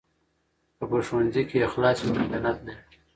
که په ښوونځي کې اخلاص وي نو خیانت نه وي.